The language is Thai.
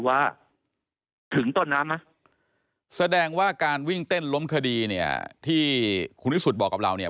ว่าถึงต้นน้ำไหมแสดงว่าการวิ่งเต้นล้มคดีเนี่ยที่คุณวิสุทธิ์บอกกับเราเนี่ย